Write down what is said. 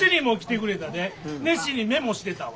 熱心にメモしてたわ。